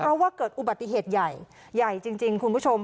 เพราะว่าเกิดอุบัติเหตุใหญ่ใหญ่จริงคุณผู้ชม